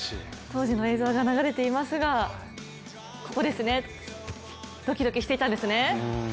当時の映像が流れていますが、ドキドキしていたんですね。